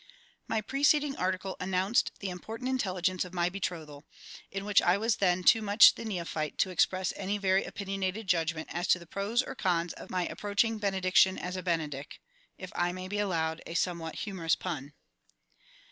_ My preceding article announced the important intelligence of my betrothal, in which I was then too much the neophyte to express any very opinionated judgment as to the pros or cons of my approaching benediction as a Benedick (if I may be allowed a somewhat humorous pun).